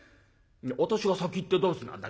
「私が先行ってどうすんだ」。